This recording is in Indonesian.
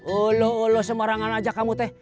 uloh uloh semarangan aja kamu teh